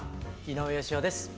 井上芳雄です。